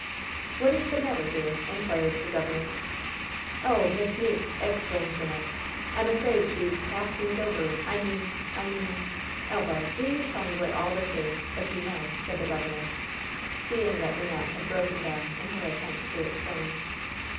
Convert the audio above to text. "What is the matter here?" inquired the governess. "Oh, Miss Meeke," exclaimed Wynnette, "I'm afraid she's half seas over! I mean I mean " "Elva, do you tell me what is all this if you know," said the governess, seeing that Wynnette had broken down in her attempt to explain.